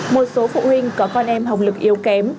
một số phụ huynh có con em học lực yêu kém